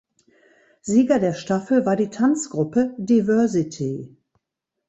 Sieger der Staffel war die Tanzgruppe Diversity.